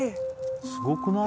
すごくない？